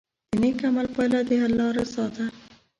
د نیک عمل پایله د الله رضا ده.